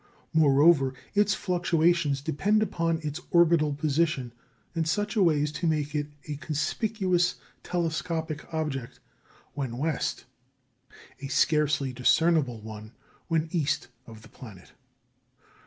Moreover, its fluctuations depend upon its orbital position in such a way as to make it a conspicuous telescopic object when west, a scarcely discernible one when east of the planet.